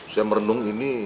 saya merenung ini